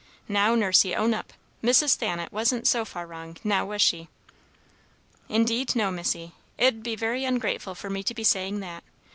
Now, Nursey, own up: Mrs. Thanet wasn't so far wrong, now was she?" "Indeed, no, Missy. It'd be very ungrateful for me to be saying that.